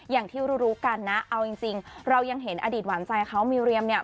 อย่างที่รู้รู้กันนะเอาจริงเรายังเห็นอดีตหวานใจเขามีเรียมเนี่ย